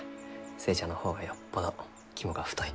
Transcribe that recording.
寿恵ちゃんの方がよっぽど肝が太い。